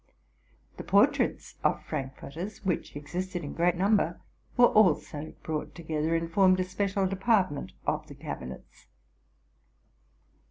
The portraits of Frankforters, which existed in great number, were also brought together, and formed a special department of the cabinets.